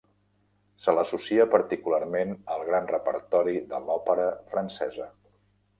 Se l'associa particularment al gran repertori de l'òpera francesa.